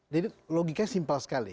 jadi logikanya simpel sekali